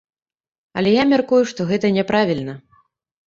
Але я мяркую, што гэта няправільна.